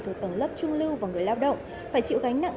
thuộc tầng lớp trung lưu và người lao động phải chịu gánh nặng